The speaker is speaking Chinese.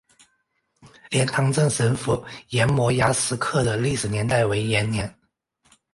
莲塘镇神符岩摩崖石刻的历史年代为元代。